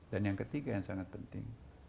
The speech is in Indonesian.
dan yang ketiga yang sangat penting